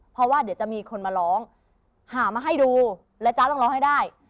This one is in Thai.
เพราะว่าเดี๋ยวจะมีคนมาร้องหามาให้ดูและจ๊ะต้องร้องให้ได้